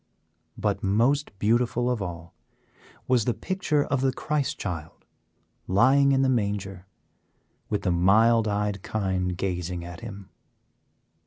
But, most beautiful of all was the picture of the Christ Child lying in the manger, with the mild eyed Kine gazing at him.